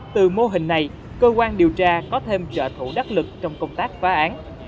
từ mô hình này cơ quan điều tra có thêm trợ thủ đắc lực trong công tác phá án